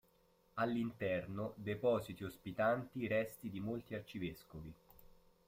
All'interno depositi ospitanti i resti di molti arcivescovi.